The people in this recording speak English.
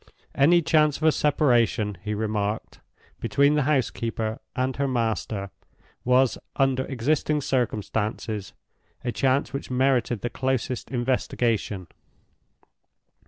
Any chance of a separation, he remarked, between the housekeeper and her master was, under existing circumstances, a chance which merited the closest investigation.